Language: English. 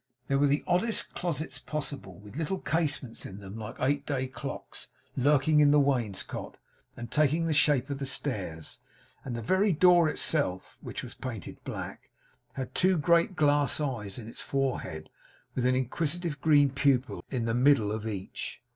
There were the oddest closets possible, with little casements in them like eight day clocks, lurking in the wainscot and taking the shape of the stairs; and the very door itself (which was painted black) had two great glass eyes in its forehead, with an inquisitive green pupil in the middle of each.